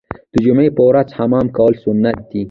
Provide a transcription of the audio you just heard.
د جمعې په ورځ حمام کول سنت دي.